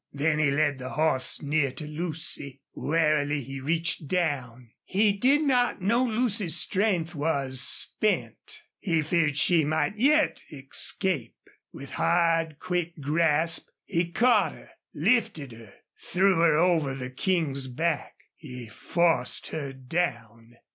Then he led the horse near to Lucy. Warily he reached down. He did not know Lucy's strength was spent. He feared she might yet escape. With hard, quick grasp he caught her, lifted her, threw her over the King's back. He forced her down.